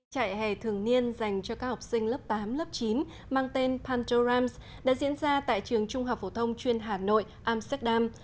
trại hè thường niên dành cho các học sinh lớp tám lớp chín mang tên pantorams đã diễn ra tại trường trung học phổ thông chuyên hà nội amsterdam